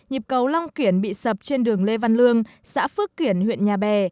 nhịp cầu long kiển bị sập trên đường lê văn lương xã phước kiển huyện nhà bè